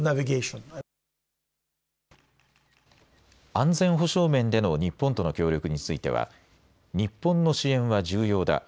安全保障面での日本との協力については、日本の支援は重要だ。